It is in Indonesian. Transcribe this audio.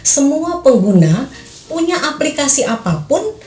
semua pengguna punya aplikasi apapun